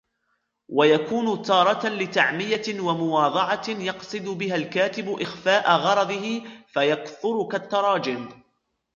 وَيَكُونُ تَارَةً لِتَعْمِيَةٍ وَمُوَاضَعَةٍ يَقْصِدُ بِهَا الْكَاتِبُ إخْفَاءَ غَرَضِهِ فَيَكْثُرُ كَالتَّرَاجِمِ